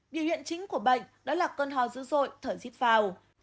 điều hiện chính của bệnh đó là cơn hò dữ dội thở dít vào